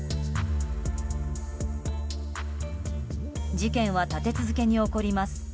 事件は立て続けに起こります。